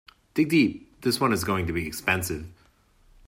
Dig deep, this one is going to be expensive!.